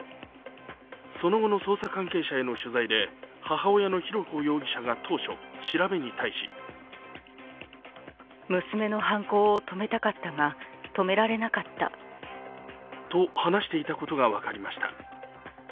その後の捜査関係者への取材で母親の浩子容疑者が当初、調べに対しと、話していたことが分かりました。